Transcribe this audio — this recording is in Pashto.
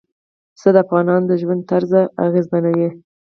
پسه د افغانانو د ژوند طرز اغېزمنوي.